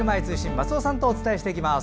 松尾さんとお伝えします。